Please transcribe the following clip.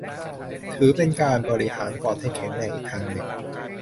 ถือเป็นการบริหารปอดให้แข็งแรงอีกทางหนึ่ง